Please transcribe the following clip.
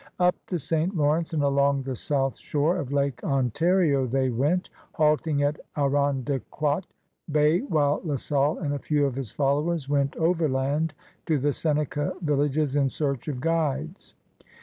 Up the St. Lawrence and along the south shore of Lake Ontario they went, halting at L*ondequoit Bay while La Salle and a few of his followers went overland to the Seneca villages in search of guides.